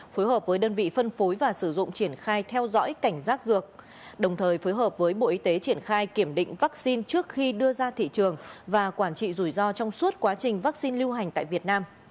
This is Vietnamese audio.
phối hợp với đơn vị phân phối và sử dụng triển khai theo dõi cảnh giác dược đồng thời phối hợp với bộ y tế triển khai kiểm định vaccine trước khi đưa ra thị trường và quản trị rủi ro trong suốt quá trình vaccine lưu hành tại việt nam